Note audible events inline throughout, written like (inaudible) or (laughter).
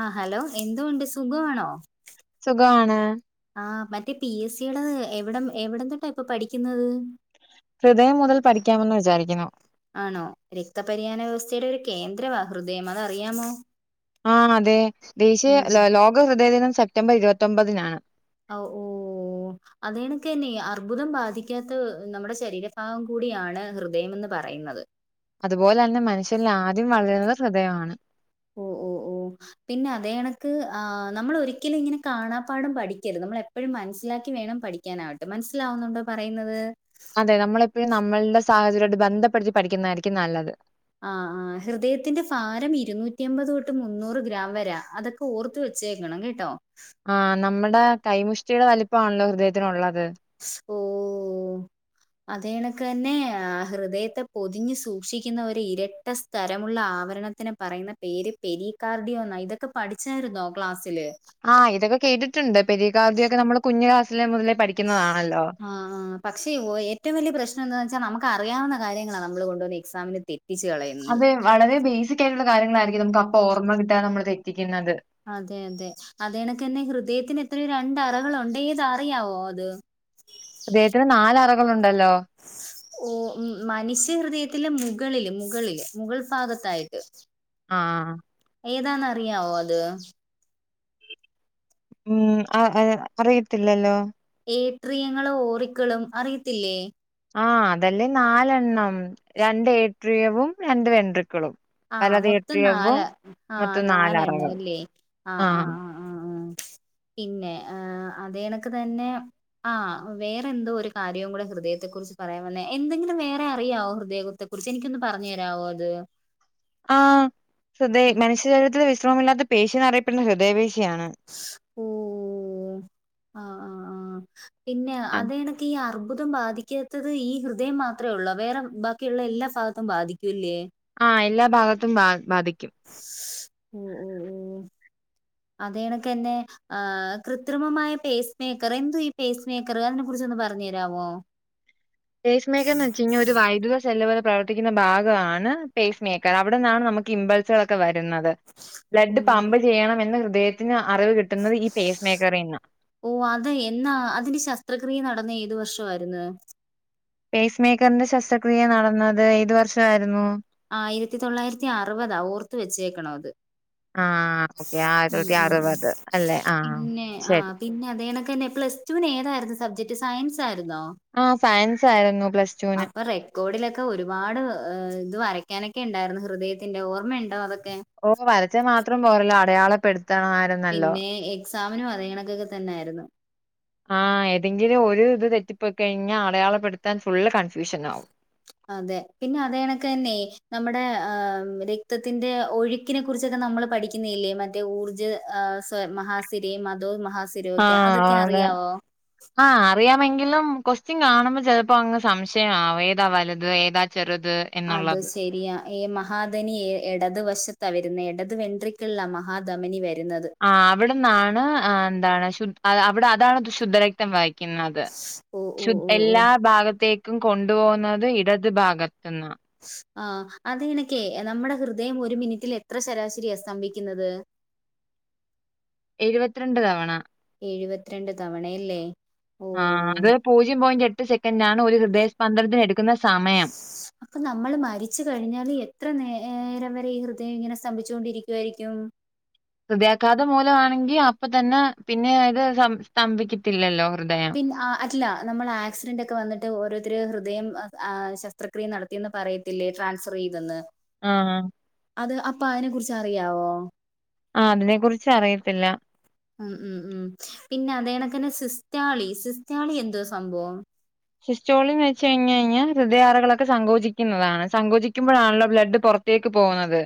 ആ ഹലോ എന്തൊണ്ട് സുഖമാണോ? സുഖാണ്. ആ മറ്റേ പി എസ് സിയുടെ എവിട എവിടെന്തണ്ടാ ഇപ്പൊ പഠിക്കുന്നത് ഹൃദയം മുതൽ പഠിക്കാമെന്ന് വിചാരിക്കുന്നു. ആണോ രക്തപര്ഹാന വ്യവസ്ഥയുടെ ഒരു കേന്ദ്രവാ ഹൃദയം അതറിയാമോ? ആ അതെ ദേശീയ ഉം ലോക ഹൃദയദിനം സെപ്റ്റംബർ ഇരുപത്തൊമ്പതിനാണ്. ആ ഓ അതേണൊക്കെ തന്നെ അർബുദം ബാധിക്കാത്ത നമ്മുടെ ശരീരഭാഗം കൂടിയാണ് ഹൃദയം എന്ന് പറയുന്നത്. അതുപോലെ തന്നെ മനുഷ്യനിൽ ആദ്യം വളരുന്നത് ഹൃദയമാണ്. മ്മ് മ്മ് മ്മ് പിന്നെ അതെ കണക്ക് ആ നമ്മൾ ഒരിക്കലും ഇങ്ങനെ കാണാപ്പാഠം പഠിക്കരുത്. നമ്മൾ എ പ്പോഴും മനസ്സിലാക്കി വേണം പഠിക്കാനാവട്ടെ. മനസ്സിലാവുന്നുണ്ടോ പറയുന്നത്. അതെ നമ്മളെപ്പോഴും നമ്മളുടെ സാഹചര്യമായിട്ട് ബന്ധപ്പെടുത്തി പഠിക്കുന്നതായിരിക്കും നല്ലത്. ആ ആ ഹൃദയത്തിന്റെ ഭാരം ഇരുന്നൂറ്റി അമ്പത് തൊട്ട് മുന്നൂറ് ഗ്രാംവരാ അതൊ ഓർത്ത് വെച്ചേക്കണം കേട്ടോ. ആ നമ്മുടെ കൈമുഷ്ടിയുടെ വലിപ്പമാണല്ലോ ഹൃദയത്തിനുള്ളത്. ഓ അതേണക്ക് തന്നെ ആ ഹൃദയത്തെ പൊതിഞ്ഞു സൂക്ഷിക്കുന്ന ഒരു ഇരട്ട സ്തരമുള്ള ആവരണത്തിനെ പറയുന്ന പേര് പെരിക്കാർഡിയോ എന്നാ. ഇതൊക്കെ പഠിച്ചായിരുന്നോ ക്ലാസ്സില്? ആ ഇതൊക്കെകേട്ടിട്ടുണ്ട്. പെരി കാർഡിയോ നമ്മള് കുഞ്ഞു ക്ലാസില് മുതലേ പഠിക്ക ആ ആ പക്ഷേ ഏറ്റവും വലിയ പ്രശ്നം എന്താ വെച്ചാൽ നമുക്കറിയാവുന്ന കാര്യങ്ങളാണ് നമ്മള് കൊണ്ടുവന്ന് എക്സാമിന് തെറ്റിച്ച് കളയും. അതെ വളരെ ബേസിക് ആയിട്ടുള്ള കാര്യങ്ങളായിരിക്കും നമുക്ക് അപ്പൊ ഓർമ്മ കിട്ടാതെ നമ്മള് തെറ്റിക്കുന്നത്. അതെ അതെ അതേണക്ക് തന്നെ ഹൃദയത്തിന് എത്ര രണ്ട് അറകളുണ്ട് ഏതാ അറിയാവോ അത്? ഹൃദയത്തിന് നാലറകളുണ്ടല്ലോ. (inaudible) ഓ മനുഷ്യ ഹൃദയത്തിലെ മുകളില് മുകളില് മുഗൾ ഭാഗത്തായിട്ട് ആ ഏതാണന്ന് അറിയാവോ അത്? ഉം. അറിയത്തില്ലല്ലോ? ഏട്രിയങ്ങളും ഓറിക്കളും അറിയത്തില്ലേ? ആ അതല്ലേ നാലെണ്ണം രണ്ട് ഏട്രിയവും രണ്ട് വെട്രുക്കളും. ആ മൊത്തം നാല് ആ നാലെണ്ണ നാലറകൾ മല്ലേ ആ ആ ആഹ് ആആ പിന്നെ അതേണക്ക് തന്നെ ആ വേറെ എന്തോ ഒരു കാര്യവും കൂടെ ഹൃദയത്തെ കുറിച്ച് പറയാൻ വന്നേ എന്തെങ്കിലും വേറെ അറിയാവോ ഹൃദയ യത്തെ കുറിച്ച് എനിക്കൊന്ന് പറഞ്ഞു തരാമോ അത്. ആ ഹൃദയ മനുഷ്യ ശരീരത്തിൽ വിശ്രമമില്ലാത്ത പേശിന്ന് അറിയപ്പെടുന്നത് ഹൃദയ പേശിയാണ്. ഓ ഓ ആ ആ ആ പിന്നെ ആഹ് അതേണക്ക് ഈ അർബുദം ബാധിക്കാ ത്തത് ഈ ഹൃദയം മാത്രമേ ഉള്ളോ? വേറെ ബാക്കിയുള്ള എല്ലാ ഭാഗത്തും ബാധിക്കും അല്ലേ? ആ എല്ലാ ഭാഗത്തും ബാ ബാധിക്കും. ഓ ഓ ഓ അതെണക്ക് തന്നെ ആ കൃത്രിമമായ പേസ് മേക്കർ എന്തോ ഈ പേസ് മേക്കർ അതിനെ കുറിച്ചൊന്ന് പറഞ്ഞു തരാമോ? (inaudible) പേസ് മേക്കർ എന്ന് വെച്ച് കഴിഞ്ഞാ ഒരു വൈദ്യുത സെല്ലുകൾപ്രവർത്തിക്കുന്ന ഭാഗമാണ് പേസ് മേക്കർ അവിടെന്നാണ് നമുക്ക് ഇമ്പ വരുന്നത് ഓ ബ്ലഡ് പമ്പ് ചെയ്യണമെന്ന് ഹൃദയത്തെ ത്തിന് അറിവ് കിട്ടുന്നത് ഈ പേസ് മേക്കറിന്നാ. ഓ അത് എന്നാ അതിന്റെ ശസ്ത്രക്രിയ നടന്നത് ഏതു വർഷമായിരുന്നു? പേസ് മേക്കറിന്റെ ശസ്ത്രക്രിയ നടന്നത് ഏത് വർഷമായിരുന്നു? ആയിരത്തി തൊള്ളായിരത്തി അറുപതാ ഓർത്ത് വെച്ചേക്കണം അത്. ആ ഓക്കെ. അല്ലേ? (unintelligible) ആ പിന്നെ ആ ശരി. പിന്നെ അതെണക്ക് തന്നെ പ്ലസ് ടുവിന് ഏതായിരുന്നു സബ്ജക്ട് സയൻസ് ആയിരുന്നോ? ആ സയൻസ് ആയിരുന്നു പ്ലസ് ടുവിന്. ഗോഡിലൊക്കെ ഒരുപാട് ഇത് വരയ്ക്കാനൊക്കെ ഉണ്ടായിരുന്നു ഹൃദയത്തിന്റെ ഓർമ്മ ഉണ്ടോ അതൊക്കെ ഓ വരച്ച മാത്രം പോരല്ലോ അടയാള പെടുത്തണം പിന്നെ എക്സാമിനും അത കണക്കൊക്കെ തന്നായിരുന്നു ആഹ ഏതെങ്കിലും ഒരു ഇത് തെറ്റിപ്പോയി കഴിഞ്ഞാൽ അടയാളപ്പെടുത്താൻ ഫുള് കൺഫ്യൂഷൻ ആകും അതെ പിന്നെ അതണൊക്കെ തന്നെ നമ്മുടെ രക്തത്തിന്റെ ഒഴു ക്കിനെ കുറിച്ചൊക്കെ നമ്മൾ പഠിക്കുന്നില്ലേ മറ്റേ ഊർജ്ജ മഹാസിര മധോ മഹാ അതൊക്കെ അറിയാവോ ആഹ അറിയാമെങ്കിലും ക്യുഎസ്ടിയൻ കാണുമ്പോ ചിലപ്പോ അങ്ങ് സംശയംമാവും ഏതാ വലുത് ഏതാ ചെറുത് അത എന്നുള്ളത്. ശരി അ മഹാദനി ഇടത് വശത്താ വരുന്നത് ഇടത് വെട്രിക്കുള്ള മഹാധമനി വരുന്നത് ആ അവിടെന്നാണ് എന്താണ് ശു അവിടെ അതാണ് ശുദ്ധരക്തം ക്കുന്നത് ഓ ഓ ശു ഓ ഓ എല്ലാ ഭാഗത്തേക്കും കൊണ്ടു പോവുന്നത് ഇടത് ഭാഗത്ത്ന്നാ ആ അത് നെക്കെ നമ്മ്ടെ ഹൃദയം ഒരു മിനിറ്റിൽ എത്ര ശരാശരിയാ സ്തംഭിക്ക്ന്നത് എഴ്‌വത്രണ്ട് തവണ എഴ്‌വത്രണ്ട് തവണയല്ലേ? ഓ ആ അത് പൂജ്യം പോയിന്റ് എട്ട് സെക്കൻറ് ആണ് ഒരു ഹൃദയസ്പന്ദനത്തിന് എട്ക്ക്ന്ന സമയം അപ്പൊ നമ്മള് മരിച്ച് കഴിഞ്ഞാല് എത്ര നേ ഏ രം വരെ ഈ ഹൃദയം ഇങ്ങനെ സ്തംഭിച്ചോണ്ടിരിക്കുവായിരിക്കും. ഹൃദയാഘാതം മൂലവാണെങ്കി അപ്പൊ തന്നെ പിന്നെ അത് സ്ത സ്തംഭിക്കത്തില്ലല്ലോ ഹൃദയം പിൻ അറ്റ്‌ല നമ്മൾ ആക്സിഡൻറ് ഒക്കെ വന്ന്ട്ട് ഓരോരുത്തര് ഹൃദയം അ ശസ്ത്ര ക്രിയ നടത്തിയെന്ന് പറയത്തില്ലേ ട്രാൻസ്ഫർ ചെയ്തെന്ന് ആഹ് അത് അപ്പൊ അതിനെ കുറിച്ചറിയാവോ? ആ അതിനെ കുറിച്ച് അറിയത്തില്ല. ഉം ഉം ഉം പിന്നെ അതേണക്കന്നെ സിസ്റ്റാളി, സിസ്റ്റാളി എന്തുവാ സംഭവം? സിസ്റ്റോളിന്ന് വെച്ച് കഴിഞ് കഴിഞ്ഞാ ഹൃദയാറകളൊക്കെ സങ്കോചിക്ക്ന്നതാണ് സങ്കോചിക്കുമ്പോഴാണല്ലോ ബ്ലഡ് പൊറ ത്തേക്ക് പോവുന്നത്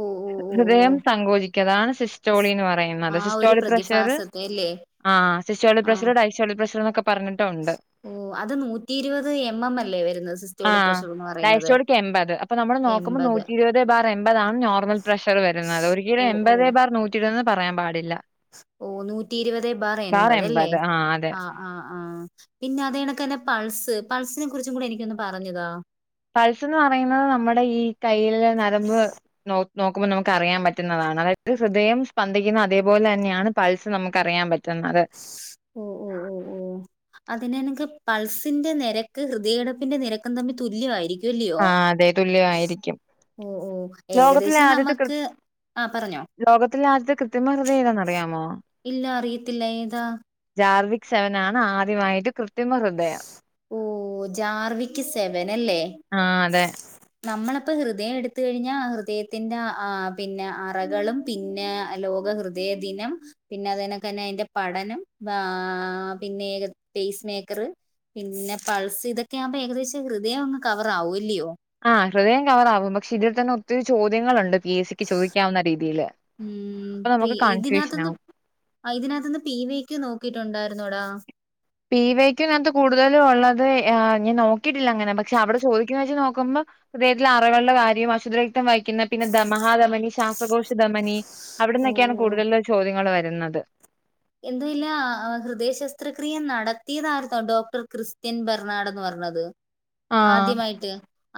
ഓഹ് ഹൃദയം സങ്കോചിക്ക അതാണ് സിസ്റ്റോളീന്ന് പറയുന്നത് സിസ്റ്റോളി പ്രഷർ യെലെ ആഹ് സിസ്റ്റോളിക്ക് പ്രഷറ് ഡയസ്‌റ്റോളിക് പ്രഷർന്നൊക്കെ പറഞ്ഞിട്ടുണ്ട്. ഓ അത് നൂറ്റി ഇരുപത് എം എം അല്ലേ വരുന്നത് സിസ്റ്റോളി പ്രഷറ് ന്ന് ഡയസ്‌റ്റോളിക് എൺപത് അപ്പൊ നമ്മള് നോക്കുമ്പോ നൂറ്റിരുവത് ബാർ എൺപതാണ് നോർമൽ പ്രഷ റ് വരുന്നത് ഓ ഒരിക്കലും ഓ എൺപതേ ബാർ നൂറ്റി ഇരുപത് ന്ന് പറയാൻ പാടില്ല. ഓ നൂറ്റി ഇരുവതേ ബാർ എൺപത് അല്ലെ അ ആഹ് ആഹ് പിന്നെ അതേണക്കെന്നെ പൾസ് പൾസിനെ കുറിച്ചും കൂടെ എനിക്കൊന്ന് പറഞ്ഞ്താ പൾസ് ന്ന് പറയുന്നത് നമ്മുടെ ഈ കയ്യിലേ നരമ്പ് നോ നോക്കുമ്പോൾ നമുക്ക് അറിയാൻ പറ്റുന്നതാണ് അതായത് ഹൃദയം സ്പന്ദിക്കുന്ന അതേപോലെ അന്നെയാണ് പൾസ് നമുക്ക് അറിയാൻ പറ്റ റ്റ്ന്നത് ഓ ഓ ഓ ഓ അതിനെണക്ക് പൾസിന്റെ നെരക്ക് ഹൃദയട്പ്പിന്റെ നിരക്കും തമ്മിൽ തുല്യവായിരിക്കും. ആ അതെ തുല്യവായിരിക്കും ഓ ഓഹ് ഏകദേശം നമക്ക് ആ പറഞ്ഞോ? ലോകത്തില ആദ്യത്തെ കൃത്യമ ഹൃദയം ഏതാന്ന് അറിയാമോ? ഇല്ല അറിയത്തില്ല ഏതാ ജാർവിക് സെവൻ ആണ് ആദ്യമായിട്ട് കൃത്രിമ ഹൃദയം ഓ ജാർവിക് സെവൻ അല്ലേ ആഹ് അതെ നമ്മള്പ്പ ഹൃദയം എടുത്ത് കഴിഞ്ഞാ ഹൃദയത്തിന്റെ ആ പിന്നെ അറകളും പിന്നെ ലോക ഹൃദയദിനം പിന്നെ അതെനകന്നെ അയിന്റെ പഠനം പിന്നെ സ്പെയ്സ് മേ ക്ക്ർ പിന്നെ പൾസ് ഇതൊക്കെ ആവുമ്പോ ഏകദേശം ഹൃദയം അങ്ങ് കവർ ആവും ല്ല്യോ? ആഹ് ഹൃദയം കവറാവും പക്ഷെ ഇതിൽ തന്നെ ഒത്തിരി ചോദ്യങ്ങളുണ്ട്. പി എ സിക്ക് ചോദിക്കാവുന്ന രീതിയില് അപ്പൊ നമുക്ക് കൺഫ്യൂഷൻ ആവും അ ഇതിനകത്ത്ന്ന് പി വി ക്യു നോക്കിട്ടുണ്ടായിരുന്നോ എടാ പി വെ ക്യു നാത്ത് കൂടുതലും ഉള്ളത് ഞാൻ നോക്കിട്ടില്ല അങ്ങനെ പക്ഷെ അവിടെ ചോദിക്കുന്ന വെച്ച് നോക്കുമ്പം ഹൃദയത്തിലെ അറകൾടെ കാര്യവും അശുദ്ധരക്തം വഹിക്കുന്ന പിന്നെ ദമഹാധമനി ശ്വാസകോശധമനി ഓ അവിട്ന്നൊക്കെയാണ് ഓ കൂടുതല് ചോദ്യങ്ങള് വരുന്നത്. എന്തു ഇല ഹൃദയ ശസ്ത്രക്രിയ നടത്തിയതാർന്നോ ഡോക്ടർ ക്രിസ്ത്യൻ ബെർണാഡ് എന്ന് പറഞ്ഞത് ആഹ് ആദ്യമായിട്ട്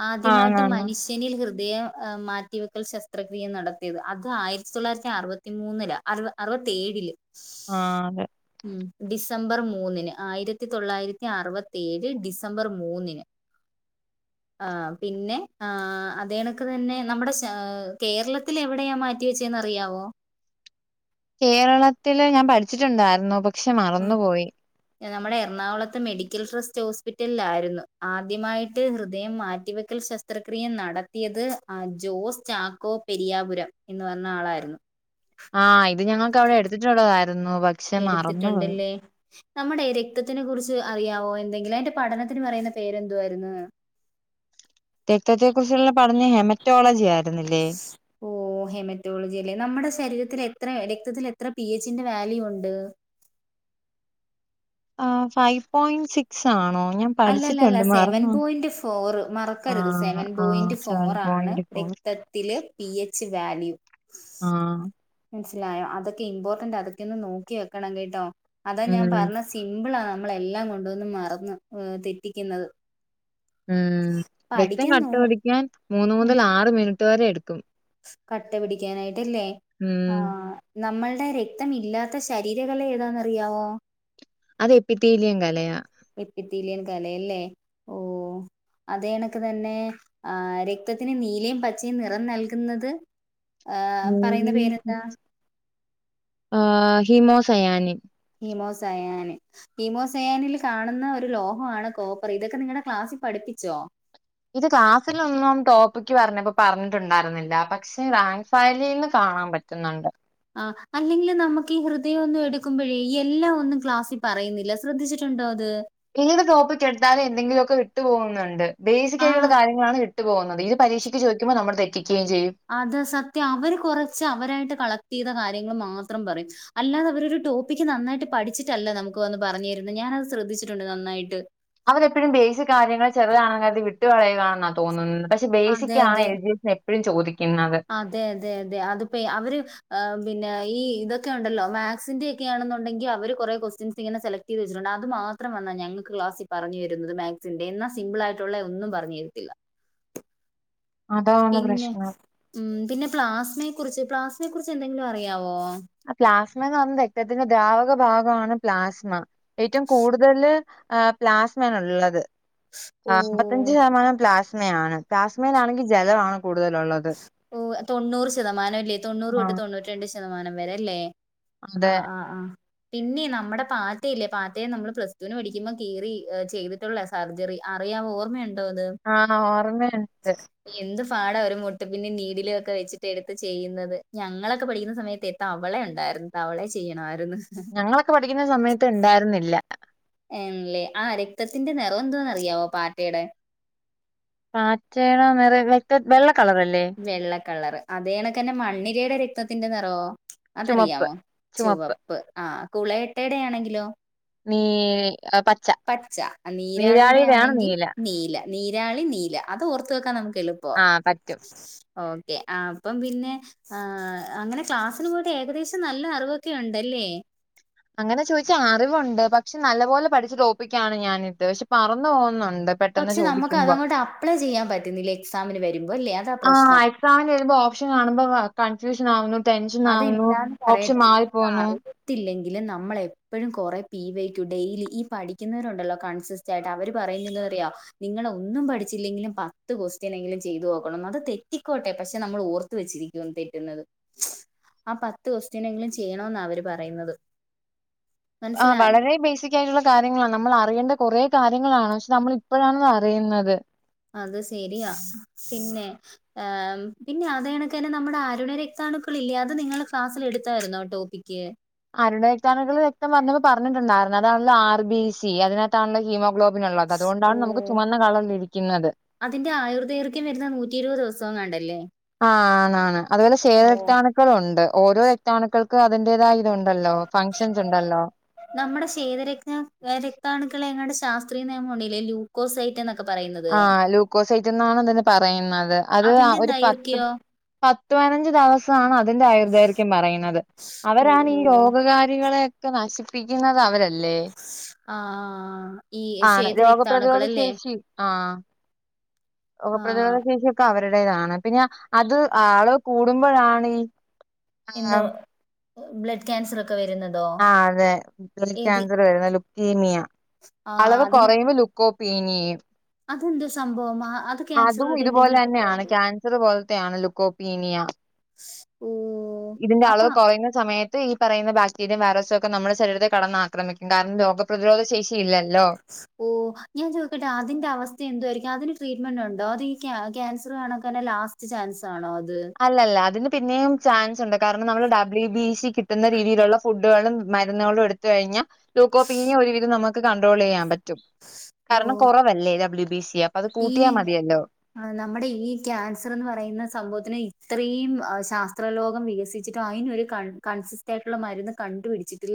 ആദ്യമായിട്ട് ആന്നാന്ന് മനുഷ്യ നിൽ ഹൃദയം മാറ്റിവെക്കൽ ശസ്ത്രക്രിയ നടത്തിയത് അത് ആയിരത്തി തൊള്ളായിരത്തി അറുപത്തി മൂന്നില് അറുവ അറുവത്തേഴില് ആഹ് അതെ ഉം ഡിസംബർ മൂന്നിന് ആയിരത്തി തൊള്ളായിരത്തി അറുപത്തി ഏഴ് ഡിസംബർ മൂന്നിന് ആ പിന്നെ ആ അതണക്ക് തന്നെ നമ്മുടെ കേരളത്തിൽ എവിടെയാ മാറ്റി റ്റി വെച്ചേന്ന് അറിയാവോ കേരളത്തില് ഞാൻ പഠിച്ചിട്ടുണ്ടായിരുന്നു പക്ഷെ ഉം മറന്നുപോയി നമ്മുടെ എറണാകുളത്തെ മെഡിക്കൽ ട്രസ്റ്റ് ഹോസ്പിറ്റലിലായിരുന്നു ആദ്യമായിട്ട് ഹൃദയം മാറ്റിവെക്കൽ ശസ്ത്രക്രിയ നടത്തിയത് ആ ജോസ് ചാക്കോ പെരിയാപുരം എന്ന് പറഞ്ഞ ആളായിരുന്നു ആഹ് ഇത് ഞങ്ങൾക്കവിടെ എടുത്തിട്ടുള്ളതായിരുന്നു പ എടുത്തിട്ടുണ്ടല്ലേ നമ്മുടെ രക്തത്തിനെ കുറിച്ച് അറിയാവോ എന്തെങ്കിലും അതിന്റെ പഠനത്തിന് പറയുന്ന പേരെന്തോ ആയിരുന്നു രക്തത്തെ കുറിച്ചുള്ള പഠനം ഹെമറ്റോളജി ആയിരുന്നില്ലേ ഓ ഹെമറ്റോളജി അല്ലെ നമ്മുടെ ശരീരത്തിൽ എത്ര രക്തത്തിൽ എത്ര പി എച്ച്ന്റെ വാല്യു ഉണ്ട് ആഹ് ഫൈവ് പോയിന്റ് സിക്സ് ആണോ ഞാൻ അല്ലല്ല അല്ല പഠിച്ചിട്ടുണ്ട് സെവൻ മറന്നു പോയിന്റ് ഫോർ മറക്കരുത് ആഹ് സെവൻ ആഹ് പോയിന്റ് സെവൻ ഫോർ ആണ് പോയിന്റ് ഫോർ ത്തത്തിലെ പി എച്ച് വാല്യു ആഹ് മനസ്സിലായോ അതൊക്കെ ഇമ്പോർട്ടന്റ് അതൊക്കെ ഒന്ന് നോക്കി വെക്കണം കേട്ടോ അതാ ഞാൻ ഉം പറഞ്ഞ സിമ്പിളാ നമ്മളെല്ലാം കൊണ്ടുവന്ന് മറന്ന് തെറ്റിക്കുന്നത് ഉം രക്തം പഠിക്കാൻ നോ കട്ട പിടിക്കാൻ മൂന്ന് ഉം മുതൽ ആറ് മിനിറ്റ് വരെ എടുക്കും കട്ട പിടിക്കാനായിട്ടല്ലേ ഉം ആഹ് നമ്മളുടെ രക്തം ഇല്ലാത്ത ശരീരകല ഏതാന്ന് അറിയാവോ അത് എപ്പിത്തീലിയം കലയാ എപ്പിത്തിലിയൻ കലയല്ലേ ഓഹ് അത കണക്ക് തന്നെ ആ രക്തത്തിന് നീലയും പച്ചയും നിറം നൽകുന്നത് ആഹ് പറയുന്ന ഉം. പേരെന്താ ആഹ് ഹിമോസയാനി ഹിമോസായാണ് ഹീമോസയാനിൽ കാണുന്ന ഒരു ലോഹമാണ് കോപ്പർ ഇതൊക്കെ നിങ്ങളുടെ ക്ലാസ്സിൽ പഠിപ്പിച്ചോ ഇത് ക്ലാസിലൊന്നും ടോപ്പിക്ക് പറഞ്ഞപ്പോ പറഞ്ഞിട്ടുണ്ടായിരുന്നില്ല പക്ഷെ റാങ്ക് ഫായലീന്ന് കാണാൻ പറ്റും ന്നുണ്ട് ആഹ് അല്ലെങ്കിലും നമുക്ക് ഈ ഹൃദയമൊന്നും എടുക്കുമ്പോഴേ ഈ എല്ലാം ഒന്നും ക്ലാസ്സിൽ പറയുന്നില്ല ശ്രദ്ധിച്ചിട്ടുണ്ടോ അത് ഏത് ടോപ്പിക് എടുത്താലും എന്തെങ്കിലുമൊക്കെ വിട്ടുപോകുന്നുണ്ട് ബേസികായിയിട്ടുള്ള ആഹ് കാര്യ ങ്ങളാണ് ഇട്ട് പോകുന്നത് ഇത് പരീക്ഷക്ക് ചോയ്ക്കുമ്പോ നമ്മള് തെറ്റിക്കുകയും ചെയ്യും അത് സത്യം അവര് കുറച്ച് അവരായിട്ട് കളക്ട് ചെയ്ത കാര്യങ്ങൾ മാത്രം പറയും അല്ലാതെ അവരൊരു ടോപ്പിക്ക് നന്നായിട്ട് പഠിച്ചിട്ടല്ല നമുക്ക് വന്ന് പറഞ്ഞു തരുന്നു ഞാനത് ശ്രദ്ധിച്ചിട്ടുണ്ട് നന്നായിട്ട് അവരെപ്പോഴും ബേസി കാര്യങ്ങൾ ചെറുതാണങ്കിൽ അത് വിട്ടുകളളയുകയാണെന്നാ തോന്നുന്നത് പക്ഷെ അതെ ബേസികാണ് അതെ എൽ ജി എ എപ്പോഴും ചോദിക്കുന്നത് അതെ അതെ അതെ അത് പ അവര് ആ പിന്നെ ഈ ഇതൊക്കെ ഉണ്ടല്ലോ മാത്സിന്റെ ഒക്കെയാണെന്നുണ്ടെങ്കിൽ അവര് കൊറെ ക്വസ്റ്റ്യൻസ് ഇങ്ങനെ സെലക്ട് ച്ചിട്ടുണ്ട് അത് മാത്രം വന്നാ ഞങ്ങക്ക് ക്ലാസിൽ പറഞ്ഞു തരുന്നത് മാക്സിന്റെ എന്നാ സിമ്പിൾ ആയിട്ടുള്ള ഒന്നും പറഞ്ഞു തരത്തില്ല അതാണ് പിന്നെ പ്രശ്നം ഉം പിന്നെ പ്ലാസ്മയെ കുറിച്ച് പ്ലാസ്മയെ കുറിച്ച് എന്തെങ്കിലും അറിയാവോ പ്ലാസ്മ എന്ന് പറഞ്ഞത് രക്തത്തിന്റെ ദ്രാവക ഭാഗമാണ് പ്ലാസ്മ ഏറ്റവും കൂടുതല് ആഹ് പ്ലാസ്മാണ് ഉള്ളത് ഓ അമ്പത്തഞ്ച് ശതമാനം പ്ലാസ്മയാണ് പ്ലാസ്മേൽ ആണെങ്കിൽ ജലമാണ് കൂടുതലുള്ളത് ഓ തൊണ്ണൂറ് ശതമാനംല്ലേ തൊണ്ണൂറ് തൊട്ട് തൊണ്ണൂറ്റി രണ്ട് ശതമാനം വരെല്ലേ അതെ ആഹ് ആഹ് ആഹ് പിന്നെ നമ്മുടെ പാറ്റയില്ലേ പാറ്റയെ നമ്മള് പ്ലസ് ടുവിന് പഠിക്കുമ്പോ കീറി ചെയ്തിട്ടുള്ള സർജറി അറിയാവോ ഓർമ്മയുണ്ടോ അത് ആഹ് ഓർമ്മയുണ്ട് എന്ത് പാടാ ഒരു മു പിന്നെ നീടി ല് ഒക്കെ വെച്ചിട്ട് എടുത്ത് ചെയ്യുന്നത് ഞങ്ങളൊക്കെ പഠിക്കുന്ന സമയത്ത് തവളെ ഉണ്ടായിരുന്നു തവളെ ചെയ്യണമായിരുന്നു ഞങ്ങളൊക്കെ പഠിക്കുന്ന സമയത്ത് ഉണ്ടായിരുന്നില്ല ആണല്ലേ ആ രക്തത്തിന്റെ നിറം എന്തോന്ന് അറിയാവോ പാറ്റേടെ പാറ്റേടെ നിറം വ്യക്ത വെള്ളക്കളറല്ലേ വെള്ളക്കളറ് അതേകണക്കന്നെ മണ്ണിരയുടെ രക്തത്തിന്റെ നിറോ ചുമപ്പ് അതറിയാമോ ചുമപ്പ് ചുവപ്പ് ആ കുളയട്ടയുടെയാണെങ്കിലോ നീ അ പ പച്ച നീരാളിയുടെ ആണെങ്കിൽ നീല നീരാളി നീല അത് ഓർത്തു വെക്കാൻ നമുക്ക് എളുപ്പ് പ്പാ ആ പറ്റും. ഓക്കെ അപ്പം പിന്നെ ആ അങ്ങനെ ക്ലാസ്സിന് പോയിട്ട് ഏകദേശം നല്ല അറിവൊക്കെ ഉണ്ടല്ലേ അങ്ങനെ ചോദിച്ചാ അറിവൊണ്ട് പക്ഷെ നല്ലപോലെ പഠിച്ചു തോപ്പിക്കയാണ് ഞാനിത് പക്ഷെ പറന്നു പോകുന്നുണ്ട് പെട്ടെന്ന് പക്ഷെ നമുക്ക് ചോദിക്കുമ്പോ. അതങ്ങോട്ട് അപ്ലൈചെയ്യാൻ പറ്റുന്നില്ല എക്സാമിനുവരുമ്പോ അല്ലേ അതാപ്രശ്നം എക്സാമിനു വരുമ്പോ ഓപ്ഷൻ കാണുമ്പോ കൺഫ്യൂഷൻ ആകുന്നു ടെൻഷനാകുന്നു ഓപ്ഷൻ മാറിപോകുന്നു ത്തില്ലെങ്കിലും നമ്മള് എപ്പോഴും കൊറേ പി വൈ ടു ഡെയ്ലി ഈ പഠിക്കുന്നവരുണ്ടല്ലോ കൺസിസ് ചെടാവര് പറയുന്നതെന്തെന്നറിയോ നിങ്ങളൊന്നും പഠിച്ചില്ലെങ്കിലും പത്ത് ക്വസ്റ്റ്യനെങ്കിലും ചെയ്തു നോക്കണംന്ന് അത് തെറ്റിക്കോട്ടെ പക്ഷെ നമ്മൾ ഓർ ത്തുവെച്ചിരിക്കും തെറ്റുന്നത് ആ പത്തു ക്വസ്റ്റ്യനെങ്കിലും ചെയ്യണൊന്നാ അവര് പറയുന്നത് ആ മനസ്സിലായോ വളരെ ബേസിക് ക്കായിയിട്ടുള്ള കാര്യങ്ങളാണ് നമ്മൾ അറിയേണ്ട കൊറെ കാര്യങ്ങളാണ് പക്ഷെ നമ്മൾ ഇപ്പോഴാണത് അറിയുന്നത് അത് സെരിയാ പിന്നെ ആം പിന്നെ അതെണക്കുതന്നെ നമ്മുടെ അരുണരക്താണുക്കളില്ലേ അത് നിങ്ങൾ ക്ലാസ്സിൽ എടുത്തായിരുന്നോ ടോപ്പിക്ക് അരുണരക്താണുക്കള് രക്തം പറഞ്ഞപ്പോ പറഞ്ഞിട്ടുണ്ടായിരുന്നു അതാണല്ലോ ആർ ബി സി അതിനാത്താണല്ലോ ഹീമോഗ്ലോബ് ഓ, ള്ളകതുകൊണ്ടാണ് നമുക്ക് ചുമന്ന കളർലഭിക്കുന്നത് അതിന്റെ ആയുർദൈർഘൃം വരുന്നത് നൂറ്റിഇരുപത് ദിവസങ്ങാണ്ടല്ലേ ആണ് ആണ് അതുപോലെ ഓഹ് ക്ഷേതരക്താണുക്കളും ഉണ്ട് ഓരോ രക്തണുക്കൾക്കും അതിന്റേതായ ഇതുണ് ഉണ്ടല്ലോ ഫംഗഷൻസ് ഉണ്ടല്ലോ നമ്മുടെ ക്ഷേതരക്താണു ക്ഷേതരക്താണുക്കളെങ്ങാണ്ട് ശാസ്ത്രീയനിയമം ഉണ്ടല്ലേ ലൂക്കോസൈറ്റെന്ന് ആ ലൂക്കോസൈറ്റെന്നാണതിനു പറയുന്നത് അത് അതിന്റെ ഒരു പത്ത് ദൈർഘ്യോ പത്തു പതിനഞ്ച് ദിവസ് മാണ് അതിന്റെ ആയുർദൈർഘ്യം പറയുന്നത് ഓ അവരാണ് ഈ ഓ രോഗകാരികളെ ക്കെ നശിപ്പിക്കുന്നത് അവരല്ല് ല്ലേ ആഹ് ഈ ആണ് ശ്വേതരക്താണുക്കളല്ലേ രോഗപ്രതിരോധശേഷി ആ ആഹ് രോഗപ്രതിരോധശേഷി ക്കെ അവരുടേതാണ് പിന്നെ അത് ആളുകൂടുമ്പോഴാണീ എന്തോ ബ്ലഡ് ക്യാൻസറൊക്കെ വരുന്നത് ആ അതെ ബ്ലഡ്ക്യാൻസർ ലുക്കീനിയ ആഹ് അളവുകുറയുമ്പോ ലുക്ക് കോ പീനിയും അതെന്താ സംഭവം ആ അത് ക്യാൻസറുമായിട്ട് എന്തെങ്കിലും ബന്ധമുണ്ടോ സറുപൊലത്തെയാണ് ലുക്കോപീനിയാ ഓ ഇതിന്റെ അപ്പ അളവ് കുറയുന്ന സമയത്ത് ഈ പറയുന്ന ബാക്ടീരേം വൈറസും ഒക്കെ നമ്മുടെ ശരീരത്തെ കടന്നാക്രമിക്കും കാരണം രോഗപ്രതിരോധശേഷി ഇല്ലല്ലോ ഓ ഞാൻ ചോയ്ക്കട്ടെ അതിന്റെ അവസ്ഥ എന്തുവായിരിക്കും അതിന് ട്രീറ്റ്മെന്റുണ്ടോ അത് ഈ ക്യാൻ ക്യാൻസർ കാണക്കന്നെ ലാസ്റ്റ് റ്റ് ചാൻസാണോ അത് അല്ലല്ല അതിനുപിന്നെയും ചാൻസുണ്ട് കാരണം നമ്മള് ഡബ്ല്യു ബി സി കിട്ടുന്ന രീതിയിലുള്ള ഫുഡ്ഡുകളും മരുന്നുകളും എടു ത് കഴിഞ്ഞാ ലൂക്കോപ്പീനിയാ ഒരുവിധം നമുക്കു കൺട്രോൾ ചെയ്യാൻ പറ്റ് റ്റും ഓ കാരണം കൂറേ വെല്ലേ ഡബ്ല്യു ബി സിയാ ഈ നമ്മുടെ ഈ ക്യാൻസർ എന്നുപറയുന്ന സംഭവത്തിന് ഇത്രയും ശാസ്ത്രലോകം വികസിച്ചിട്ടും അതിനൊരു കൺ കൺസിസ്റ്റായിട്ടുള്ള മരുന്ന് കണ്ടുപിടിച്ചിട്ടില്ല